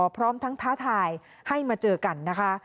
พร้อมทั้งท้าทายให้มาเจอกันนะคะ